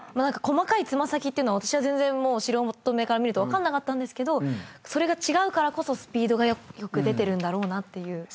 細かいつま先っていうのを私は全然素人目から見ると分かんなかったんですけどそれが違うからこそスピードがよく出てるんだろうなっていう。